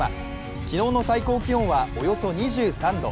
昨日の最高気温はおよそ２３度。